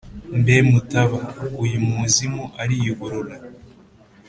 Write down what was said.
mbe mutaba! uyu muzimu ariyuburura!